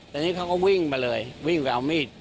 แต่นี่เขาก็วิ่งมาเลยวิ่งไปเอามีด